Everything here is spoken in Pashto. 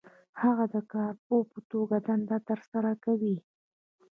هغه د کارپوه په توګه دنده ترسره کوي.